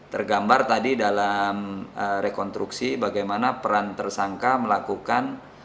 tergambar tadi dalam rekonstruksi bagaimana peran tersangka melakukan